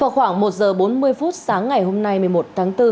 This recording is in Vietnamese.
khoảng một giờ bốn mươi phút sáng ngày hôm nay một mươi một tháng bốn